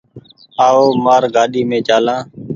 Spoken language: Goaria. آئو مآر گآڏي مين چآلآن ۔